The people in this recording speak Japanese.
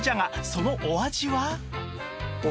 そのお味は？